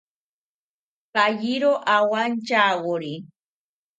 Payiro owantyawori